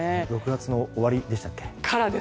６月終わりでしたっけ。